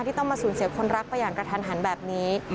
ที่ต้องมาสูญเสียคนรักประหย่างกระทันแบบนี้